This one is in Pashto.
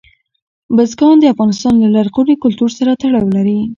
بزګان د افغانستان له لرغوني کلتور سره تړاو لري.